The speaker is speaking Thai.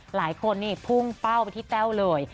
หลายคนนี่พุ่งเป้าไปที่แต้วเลย